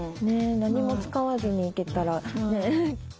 何も使わずにいけたら。